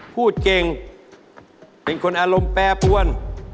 พูดเก่งเป็นคนอารมณ์แปรปวน